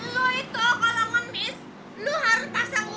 lo itu kalau nangis lo harus berhenti